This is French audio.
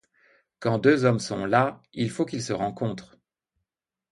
Quand deux hommes sont là, il faut qu'ils se rencontrent.